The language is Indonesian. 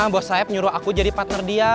bos saeb nyuruh aku jadi partner dia